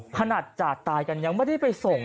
ขนาดจากตายกันยังไม่ได้ไปส่ง